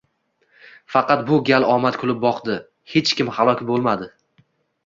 Faqat bu gal omad kulib boqdi — hech kim halok bo‘lmadi.